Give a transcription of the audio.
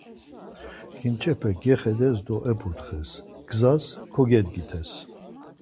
Ǩinçepes gexedes do eputxes, gzas kogedgites.